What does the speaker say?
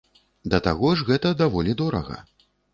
Да таго ж гэта даволі дорага.